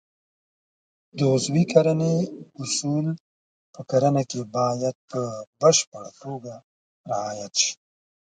د عضوي کرنې اصول په کرنه کې باید په بشپړه توګه رعایت شي.